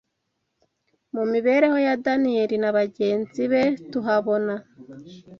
Mu mibereho ya Daniyeli na bagenzi be tuhabona